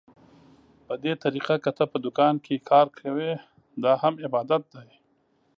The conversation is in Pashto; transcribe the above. په دې طريقه که ته په دوکان کې کار کوې، دا هم عبادت دى.